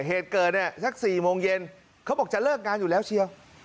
เหตุเกิดเนี่ยสัก๔โมงเย็นเขาบอกจะเลิกงานอยู่แล้วเชียว